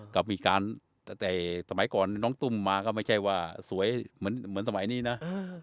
ก็มีการตั้งแต่สมัยก่อนน้องตุ้มมาก็ไม่ใช่ว่าสวยเหมือนเหมือนสมัยนี้นะ